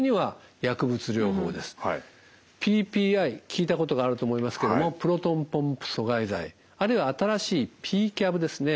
ＰＰＩ聞いたことがあると思いますけどもプロトンポンプ阻害剤あるいは新しいＰ−ＣＡＢですね